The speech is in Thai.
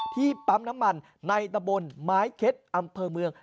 ปั๊มน้ำมันในตะบนไม้เค็ดอำเภอเมือง